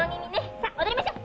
さあ踊りましょう！